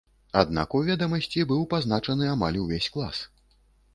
Аднак у ведамасці быў пазначаны амаль увесь клас.